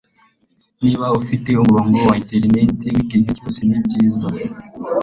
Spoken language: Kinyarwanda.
Niba ufite umurongo wa interineti wigihe cyose nibyiza,